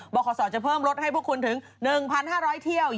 บรขสอร์จะเพิ่มลดให้พวกคุณถึง๑๕๐๐เที่ยว